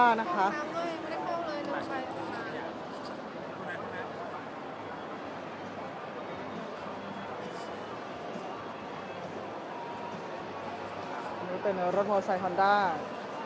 อันนี้เป็นในรถมอเตอร์ไซคอลดาร์